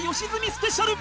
スペシャル！